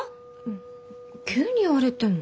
ん急に言われても。